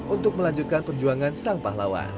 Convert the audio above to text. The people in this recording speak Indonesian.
untuk melanjutkan perjuangan sang pahlawan